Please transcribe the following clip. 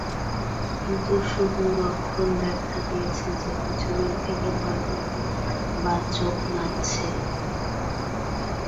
কিন্তু শুভলক্ষণ দেখা দিয়েছে যে, কিছুদিন থেকে বার বার তার বাঁ চোখ নাচছে।